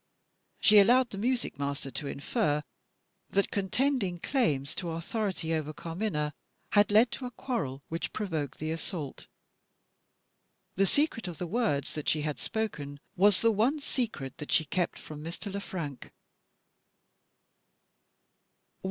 She allowed the music master to infer, that contending claims to authority over Carmina had led to a quarrel which provoked the assault. The secret of the words that she had spoken, was the one secret that she kept from Mr. Le Frank.